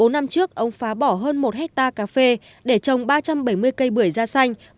bốn năm trước ông phá bỏ hơn một hectare cà phê để trồng ba trăm bảy mươi cây bưởi da xanh